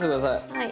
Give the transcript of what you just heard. はい。